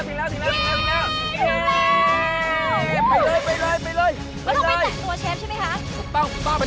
ไปไปลงไป